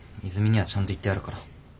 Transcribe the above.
和泉にはちゃんと言ってあるから。